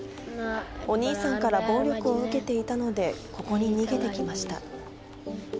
お兄さんから暴力を受けていたので、ここに逃げてきました。